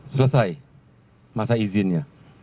selesai masa izinnya